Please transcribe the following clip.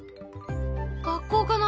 学校かな？